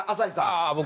ああ僕。